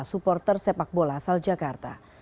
supporter sepak bola asal jakarta